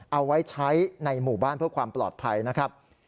เอาไว้ใช้ในหมู่บ้านเพื่อความปลอดภัยนะครับ